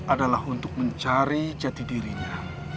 adalah untuk mencari jati dirinya